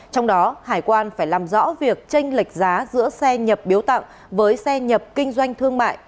trong đó hải quan phải làm rõ việc tranh lệch giá giữa xe nhập biếu tặng với xe nhập kinh doanh thương mại